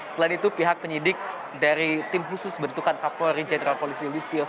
selain itu pihak penyidik dari tim khusus bentukan kapolri jenderal polisi listio